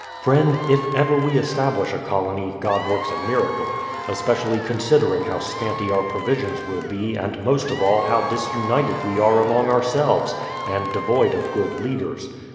Friend, if ever we establish a colony, God works a miracle; especially considering how scanty our provisions will be and most of all how disunited we are among ourselves, and devoid of good leaders.